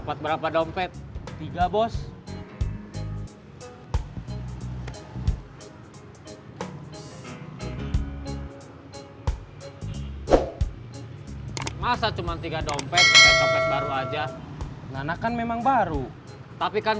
dapat berapa dompet tiga bos masa cuman tiga dompet baru aja nanakan memang baru tapi kan